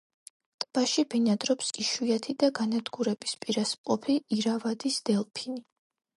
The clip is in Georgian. ტბაში ბინადრობს იშვიათი და განადგურების პირას მყოფი ირავადის დელფინი.